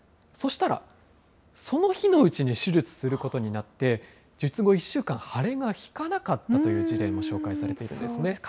そしたら、その日のうちに手術することになって、術後１週間、腫れがひかなかったという事例も紹介されているんですね。